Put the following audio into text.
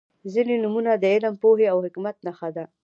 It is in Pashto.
• ځینې نومونه د علم، پوهې او حکمت نښه ده.